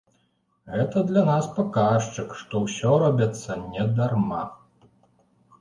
Гэта для нас паказчык, што ўсё робіцца не дарма.